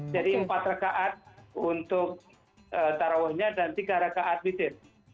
jadi empat rakaat untuk taraweehnya dan tiga rakaat bidet